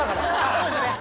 そうですね。